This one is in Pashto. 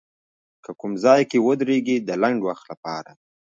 که کوم ځای کې ودرېږي د لنډ وخت لپاره